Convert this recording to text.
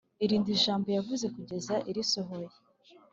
Irinda ijambo yavuze kugeza irisohoye